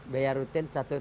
biaya rutin satu triliun